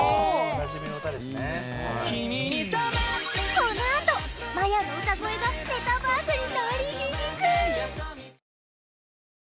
このあとまやの歌声がメタバースに鳴り響く！